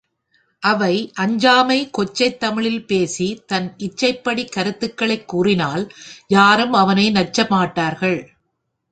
அவை அஞ்சாமை கொச்சைத் தமிழில் பேசித் தன் இச்சைப்படி கருத்துகளைக் கூறினால் யாரும் அவனை நச்சமாட்டார்கள்.